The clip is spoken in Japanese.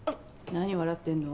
何笑ってんの？